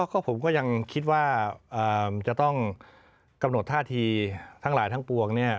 ก็ผมก็ยังคิดว่าจะต้องกำหนดท่าทีทั้งหลายทั้งปวงเนี่ย